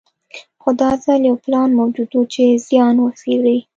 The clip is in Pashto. خو دا ځل یو پلان موجود و چې زیان وڅېړي.